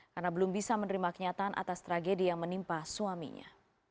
karena belum bisa menerima kenyataan atas tragedi yang menimpa suaminya